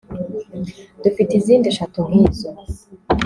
Dufite izindi eshatu nkizo